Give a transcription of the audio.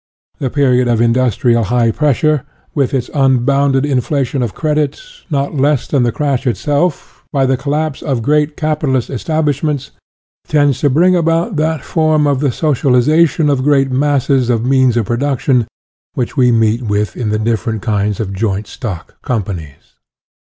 The period of industrial high pres sure, with its unbounded inflation of credit, not less than the crash itself, by the collapse of great capitalist establishments, tends to bring about that form of the socialization of great masses of means of production, which we meet with in the different kinds of joint stock companies.